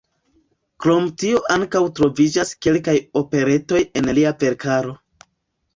Krom tio ankaŭ troviĝas kelkaj operetoj en lia verkaro.